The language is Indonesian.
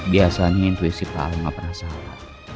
biasanya intuisi pak al gak pernah salah